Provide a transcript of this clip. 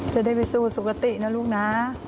จะได้ไปสู่สุขตินะลูกนะ